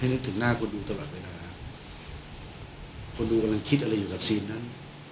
นึกถึงหน้าคนดูตลอดเวลาคนดูกำลังคิดอะไรอยู่กับซีนนั้น